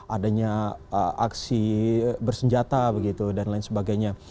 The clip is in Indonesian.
adanya aksi bersenjata begitu dan lain sebagainya